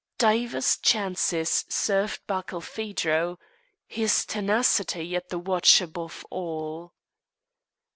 Divers chances served Barkilphedro his tenacity at the watch above all.